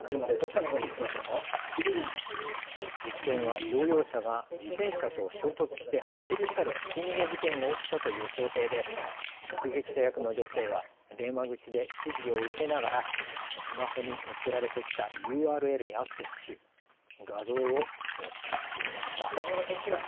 実演は乗用車が自転車と衝突して走り去るひき逃げ事件が起きたという想定で目撃者役の女性は電話口で指示を受けながらスマホに送られてきたＵＲＬにアクセスし、画像を送信していました。